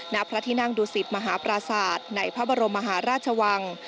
ณพระธินังดุสิตมหาประสาทในพระบรมมหาราชวัง